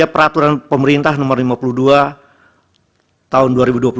peraturan pemerintah nomor lima puluh dua tahun dua ribu dua puluh